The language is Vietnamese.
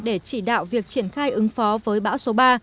để chỉ đạo việc triển khai ứng phó với bão số ba